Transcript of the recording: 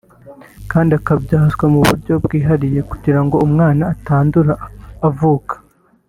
kandi akabyazwa mu buryo bwihariye kugira ngo umwana atandura avuka